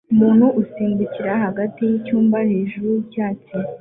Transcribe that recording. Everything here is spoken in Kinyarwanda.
Umuntu asimbukira hagati yicyumba hejuru yicyatsi